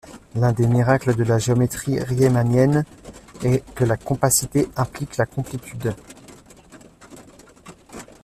L'un des miracles de la géométrie riemannienne est que la compacité implique la complétude.